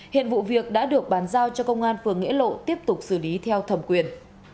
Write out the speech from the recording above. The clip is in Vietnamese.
hiện vụ việc đã được bàn giao cho công an phường nghĩa lộ tiếp tục xử lý theo thẩm quyền